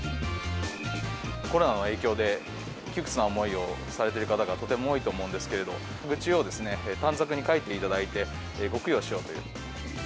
コロナの影響で窮屈な思いをされている方がとても多いと思うんですけど、愚痴を短冊に書いていただいて、御供養しようという。